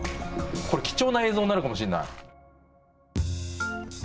これ貴重な映像になるかもしれない。